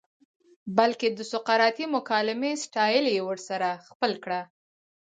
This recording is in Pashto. بلکه د سقراطی مکالمې سټائل ئې ورسره خپل کړۀ